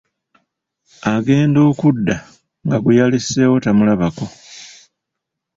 Agenda okudda nga gweyaleseewo tamulabako!